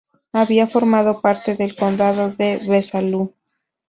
Había formado parte del condado de Besalú.